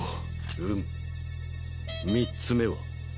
うむ３つ目は。